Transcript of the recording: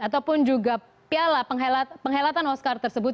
ataupun juga piala penghelatan oscar tersebut